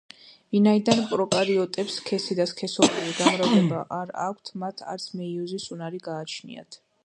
ვინაიდან პროკარიოტებს სქესი და სქესობრივი გამრავლება არ აქვთ, მათ არც მეიოზის უნარი გააჩნიათ.